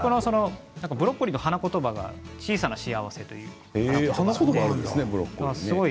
ブロッコリーの花言葉が小さな幸せという花言葉があるんです。